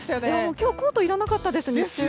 今日コートがいらなかったです。